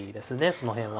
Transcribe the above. その辺は。